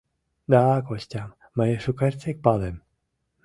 — Да, Костям мый шукертсек палем.